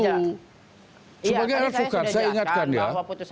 kan tadi saya sudah jahat bahwa putusan pk nya aja